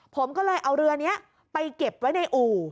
ผมก็เลยเอาเรือนี้ไปเก็บไว้ในอู่